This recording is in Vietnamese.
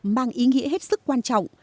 mang ý nghĩa hết sức quan trọng